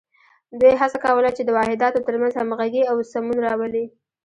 دوی هڅه کوله چې د واحداتو تر منځ همغږي او سمون راولي.